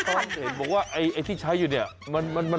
ตอนเห็นบอกว่าไอ้ที่ใช้อยู่เนี่ยมันลบออกได้